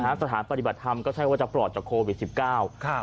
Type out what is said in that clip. สถานปฏิบัติธรรมก็ใช่ว่าจะปลอดจากโควิดสิบเก้าครับ